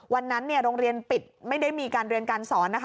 วันนั้นโรงเรียนปิดไม่ได้มีการเรียนการสอนนะคะ